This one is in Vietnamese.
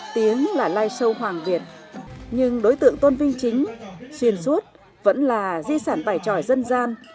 tiếng là lai show hoàng việt nhưng đối tượng tôn vinh chính xuyên suốt vẫn là di sản bài tròi dân gian